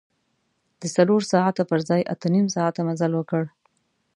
د څلور ساعته پر ځای اته نیم ساعته مزل وکړ.